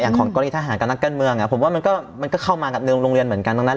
อย่างของกรีชทหารกับนักการเมืองอ่ะผมว่ามันก็เข้ามาในโรงเรียนเหมือนกันตั้งนั้น